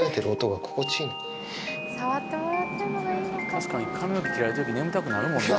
確かに髪の毛切られてる時眠たくなるもんな。